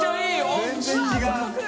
全然違う。